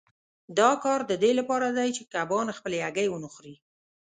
دا کار د دې لپاره دی چې کبان خپلې هګۍ ونه خوري.